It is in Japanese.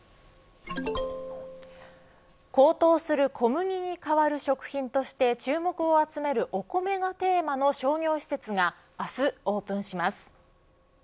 高騰する小麦に代わる食品として注目を集めるお米がテーマの商業施設が明日オープンします。